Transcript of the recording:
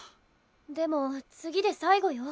でも次で最後よ。